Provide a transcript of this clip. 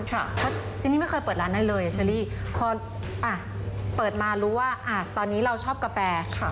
เพราะจินนี่ไม่เคยเปิดร้านนั้นเลยเชอรี่พออ่ะเปิดมารู้ว่าตอนนี้เราชอบกาแฟ